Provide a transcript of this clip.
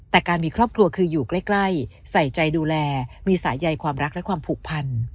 แต่การมีครอบครัวคืออยู่ใกล้ใส่ใจดูแลมีสายใยความรักและความผูกพัน